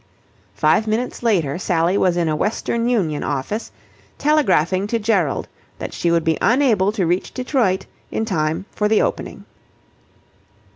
Five minutes later, Sally was in a Western Union office, telegraphing to Gerald that she would be unable to reach Detroit in time for the opening.